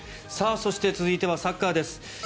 そして、続いてはサッカーです。